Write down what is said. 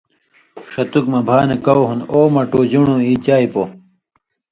ݜتُک مہ بھا نہ کؤ ہُون٘د او مٹو ژُن٘ڑوں ای چائ پو،